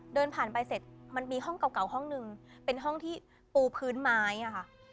เดินผ่านไปเสร็จมันมีห้องเก่าห้องหนึ่งเป็นห้องที่ปูพื้นไม้อะค่ะ